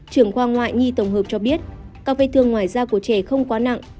trưởng khoa ngoại nhi tổng hợp cho biết các vết thương ngoài da của trẻ không quá nặng